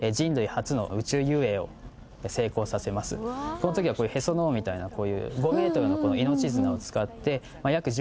この時はへその緒みたいなこういう。